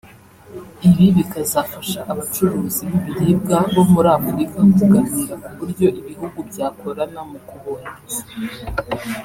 Ibi bikazafasha abacuruzi b’ibiribwa bo muri Afurika kuganira ku buryo ibihugu byakorana mu kubohereza